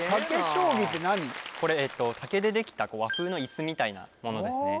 これ竹でできた和風のイスみたいなものですね